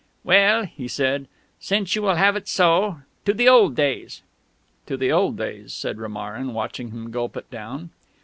"Well," he said, "since you will have it so to the old days." "To the old days," said Romarin, watching him gulp it down.